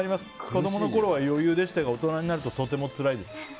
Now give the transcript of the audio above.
子供のころは余裕でしたが大人になるととてもつらいです。